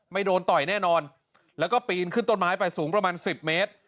โดนต่อยแน่นอนแล้วก็ปีนขึ้นต้นไม้ไปสูงประมาณสิบเมตร